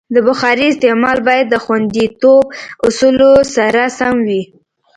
د بخارۍ استعمال باید د خوندیتوب اصولو سره سم وي.